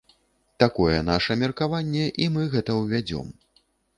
Такое наша меркаванне, і мы гэта ўвядзём.